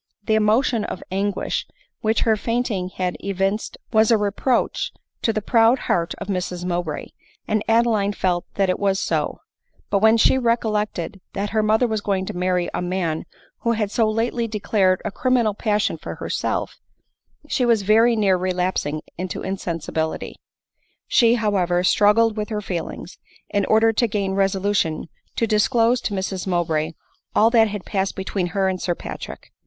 The emotion of anguish which her fainting had evinced was a reproach to the proud* heart of Mrs Mowbray, and Adeline felt that it was so ; but when she recollected that her mother was going to marry a man who had so lately declared a criminal passion for herself, she was very near relapsing into insensibility. She, however, struggled with her feelings, in order to gain resolution to disclose to Mrs Mowbray all that had passed between her and Sir Patrick.